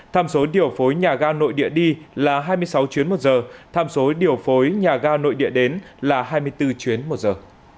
tham số điều phối nhà ga nội địa đi là hai mươi sáu chuyến một giờ tham số điều phối nhà ga nội địa đến là hai mươi bốn chuyến một giờ